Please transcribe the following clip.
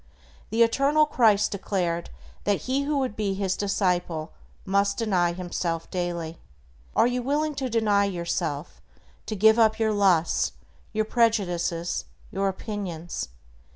The eternal Christ declared that he who would be His disciple must "deny himself daily." Are you willing to deny yourself, to give up your lusts, your prejudices, your opinions?